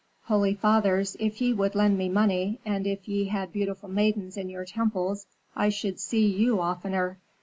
"Holy fathers, if ye would lend me money, and if ye had beautiful maidens in your temples, I should see you oftener.